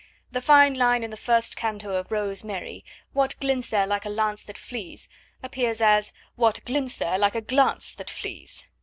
The fine line in the first canto of Rose Mary: What glints there like a lance that flees? appears as: What glints there like a glance that flees?